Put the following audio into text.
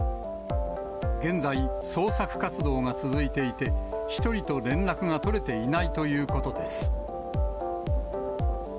現在、捜索活動が続いていて、１人と連絡が取れていないということです。